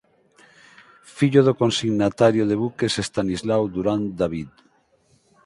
Fillo do consignatario de buques Estanislao Durán David.